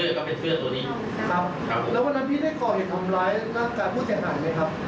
อย่างนี้ได้พี่โดนผมยอมรับว่าตบโดนครั้งหนึ่ง